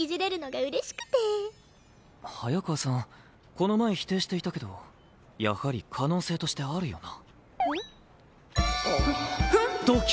この前否定していたけどやはり可能性としてあるよな。